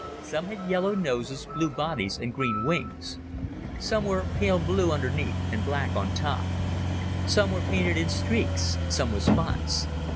Some had yellow noses, blue bodies and green wings. Some were pale blue underneath and black on top. Some were painted in streaks, some with spots.